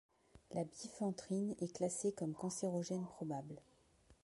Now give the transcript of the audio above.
La bifenthrine est classée comme cancérogène probable.